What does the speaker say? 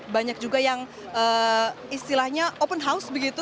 banyak juga yang istilahnya open house begitu